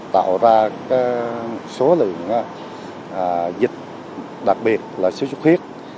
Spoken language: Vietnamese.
tạo ra số lượng dịch đặc biệt là sốt xuất huyết